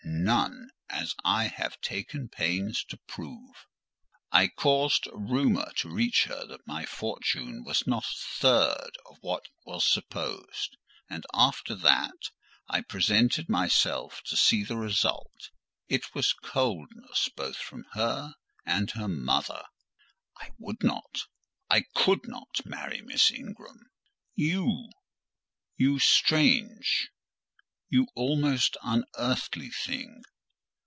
None: as I have taken pains to prove: I caused a rumour to reach her that my fortune was not a third of what was supposed, and after that I presented myself to see the result; it was coldness both from her and her mother. I would not—I could not—marry Miss Ingram. You—you strange, you almost unearthly thing!